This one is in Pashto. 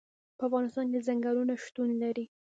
په افغانستان کې ځنګلونه شتون لري.